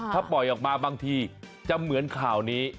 ถ้าปล่อยออกมาบางทีจะเหมือนข่าวนี้